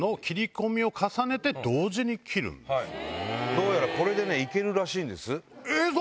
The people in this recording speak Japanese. どうやらこれでねいけるらしいんです。